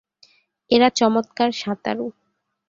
এরা চমৎকার সাঁতারু।